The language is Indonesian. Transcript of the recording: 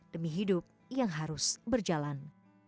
demi hidup yang harus berjalan